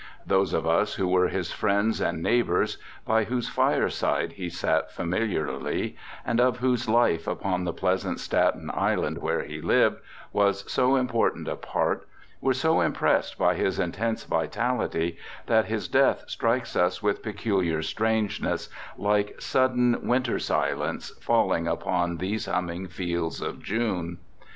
Those of us who were his friends and neighbors, by whose firesides he sat familiarly, and of whose life upon the pleasant Staten Island, where he lived, he was so important a part, were so impressed by his intense vitality, that his death strikes us with peculiar strangeness, like sudden winter silence falling upon these humming fields of June.